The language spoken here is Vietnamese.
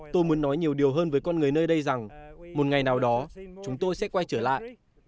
tôi muốn nói nhiều điều hơn với con người nơi đây rằng một ngày nào đó chúng tôi sẽ quay trở lại